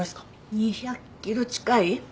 ２００ｋｇ近い。